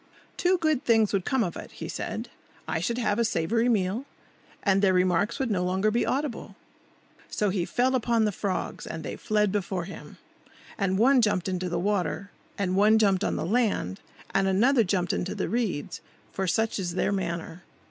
"Two good things would come of it," he said. "I should have a savoury meal, and their remarks would no longer be audible." So he fell upon the frogs, and they fled before him. And one jumped into the water, and one jumped on the land, and another jumped into the reeds; for such is their manner.